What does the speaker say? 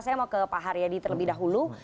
saya mau ke pak haryadi terlebih dahulu